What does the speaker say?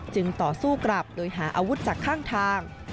ต่อสู้กลับโดยหาอาวุธจากข้างทาง